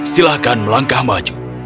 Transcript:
silahkan melangkah maju